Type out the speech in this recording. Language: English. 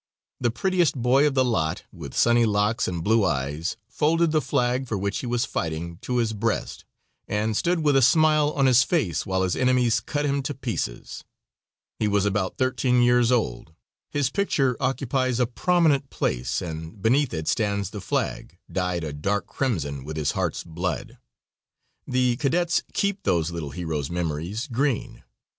The prettiest boy of the lot, with sunny locks and blue eyes, folded the flag, for which he was fighting, to his breast, and stood with a smile on his face while his enemies cut him into pieces. He was but thirteen years old. His picture occupies a prominent place, and beneath it stands the flag, dyed a dark crimson with his heart's blood. The cadets keep those little heroes' memories green.